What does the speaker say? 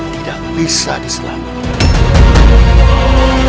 tidak bisa diselamatkan